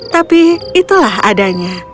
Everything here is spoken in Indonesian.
tapi itulah adanya